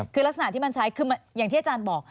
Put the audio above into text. คือลักษณะที่มันใช้คืออย่างที่อาจารย์บอก